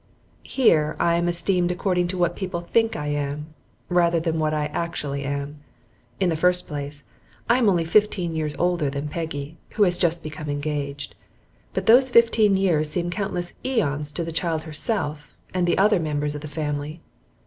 Here I am estimated according to what people think I am, rather than what I actually am. In the first place, I am only fifteen years older than Peggy, who has just become engaged, but those fifteen years seem countless aeons to the child herself and the other members of the family.